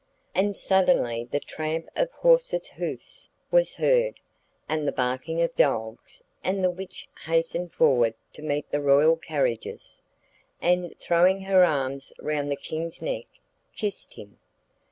And suddenly the tramp of horses' hoofs was heard, and the barking of dogs, and the witch hastened forward to meet the royal carriages, and, throwing her arms round the King's neck, kissed him.